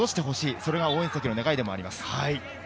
それが応援席の願いでもあります。